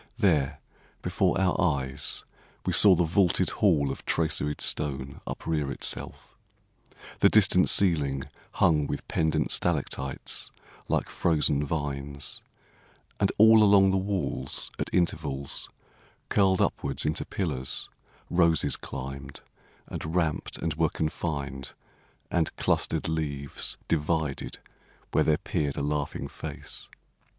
There before our eyes We saw the vaulted hall of traceried stone Uprear itself, the distant ceiling hung With pendent stalactites like frozen vines; And all along the walls at intervals, Curled upwards into pillars, roses climbed, And ramped and were confined, and clustered leaves Divided where there peered a laughing face.